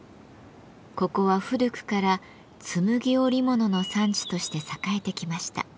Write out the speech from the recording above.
ここは古くからつむぎ織物の産地として栄えてきました。